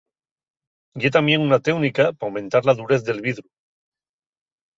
Ye tamién una téunica p'aumentar la durez del vidru.